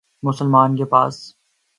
مسلمان کے پاس